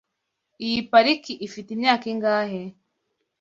Iyi pariki ifite imyaka ingahe?